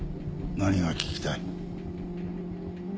何が聞きたい？